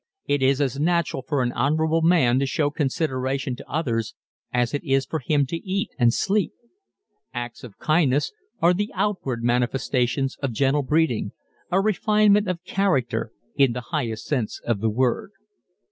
It is as natural for an honorable man to show consideration to others as it is for him to eat and sleep. Acts of kindness are the outward manifestations of gentle breeding a refinement of character in the highest sense of the word.